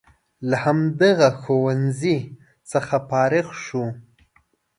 له همدغه ښوونځي څخه فارغ شو.